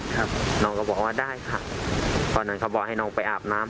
ครับน้องก็บอกว่าได้ค่ะตอนนั้นเขาบอกให้น้องไปอาบน้ำ